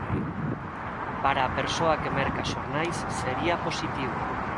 Para a persoa que merca xornais sería positivo.